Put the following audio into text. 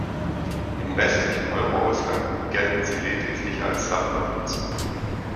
Im restlichen Euro-Ausland gelten sie lediglich als Sammlermünzen.